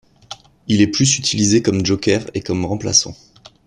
Il est plus utilisé comme joker et comme remplaçant.